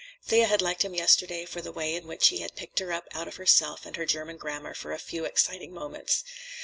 Thea had liked him yesterday for the way in which he had picked her up out of herself and her German grammar for a few exciting moments.